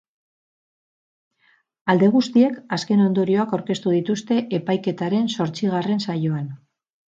Alde guztiek azken ondorioak aurkeztu dituzte epaiketaren zortzigarren saioan.